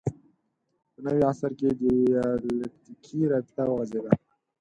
په نوي عصر کې دیالکتیکي رابطه وغځېده